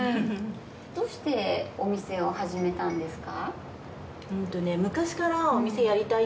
どうしてお店を始めたんですか？